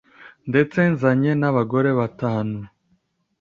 ndetse nzanye n’abagore batanu.